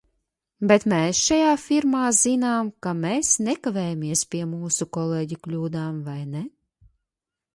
Bet mēs šajā firmā zinām, ka mēs nekavējamies pie mūsu kolēģu kļūdām, vai ne?